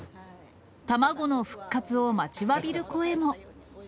卵の復活を待ちわびる声も。